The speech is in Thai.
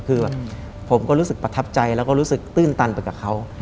เราก็รู้สึกประทับใจและรู้สึกตื่นตาลติดกับเขา